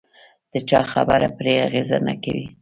د چا خبره پرې اغېز نه کوي.